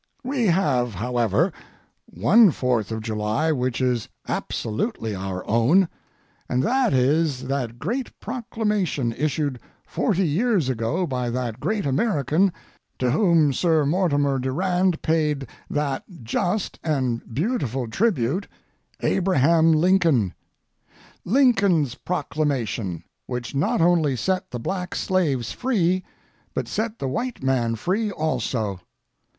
We have, however, one Fourth of July which is absolutely our own, and that is that great proclamation issued forty years ago by that great American to whom Sir Mortimer Durand paid that just and beautiful tribute—Abraham Lincoln. Lincoln's proclamation, which not only set the black slaves free, but set the white man free also.